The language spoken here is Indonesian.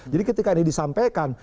jadi ketika ini disampaikan